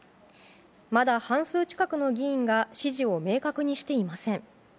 まだ半数近くの議員が支持を明確にしていません。